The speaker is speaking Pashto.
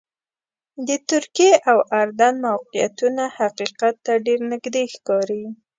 د ترکیې او اردن موقعیتونه حقیقت ته ډېر نږدې ښکاري.